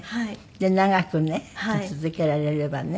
で長くね続けられればね。